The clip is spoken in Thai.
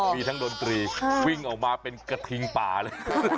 มีทั้งดนตรีวิ่งออกมาเป็นกระทิงป่าเลย